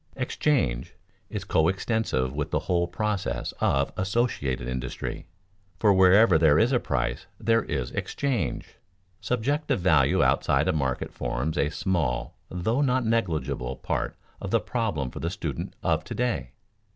Exchange is coextensive with the whole process of associated industry; for wherever there is a price, there is exchange. Subjective value outside a market forms a small, though not negligible, part of the problem for the student of to day.